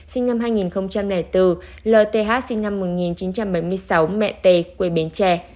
sinh năm hai nghìn bốn lth sinh năm một nghìn chín trăm bảy mươi sáu mẹ t quê bến tre